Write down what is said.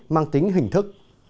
mang tính hình thức